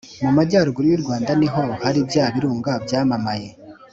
mu majyaruguru y'u rwanda ni ho hari bya birunga byamamaye